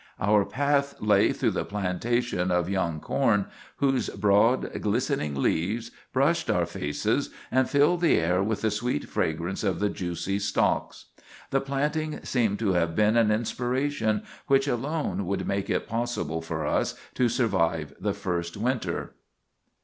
Our path lay through the plantation of young corn, whose broad, glistening leaves brushed our faces and filled the air with the sweet fragrance of the juicy stalks. The planting seemed to have been an inspiration which alone would make it possible for us to survive the first winter."